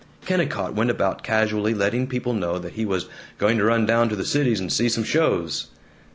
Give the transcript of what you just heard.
Kennicott went about casually letting people know that he was "going to run down to the Cities and see some shows."